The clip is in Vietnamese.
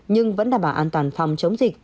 nhưng vẫn đảm bảo an toàn phòng chống dịch